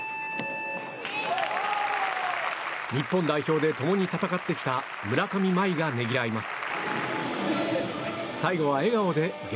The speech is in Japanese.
日本代表で共に戦ってきた村上茉愛がねぎらいます。